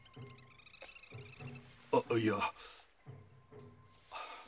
あっあいや。